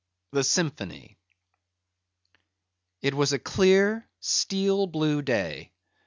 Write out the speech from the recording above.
The Symphony. It was a clear steel blue day.